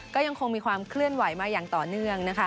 ก็ยังคงมีความเคลื่อนไหวมาอย่างต่อเนื่องนะคะ